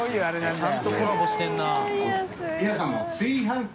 ちゃんとコラボしてるなぁ朝日）